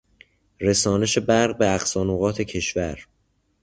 رسانش برق به اقصی نقاط کشور